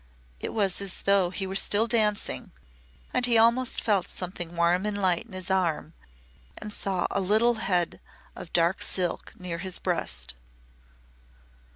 It was as though he were still dancing and he almost felt something warm and light in his arm and saw a little head of dark silk near his breast.